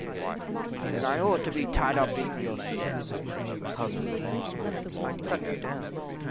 Wife. Then I ought to be tied up in your stead. Husband. I'd cut you down.